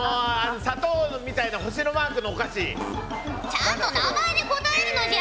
ちゃんと名前で答えるのじゃ！